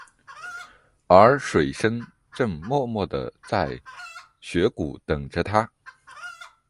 而水笙正默默地在雪谷等着他。